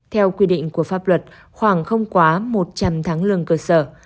theo quy định của pháp luật khoảng không quá một trăm linh tháng lương cơ sở